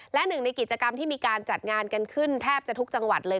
และหนึ่งในกิจกรรมที่มีการจัดงานกันขึ้นแทบจะทุกจังหวัดเลย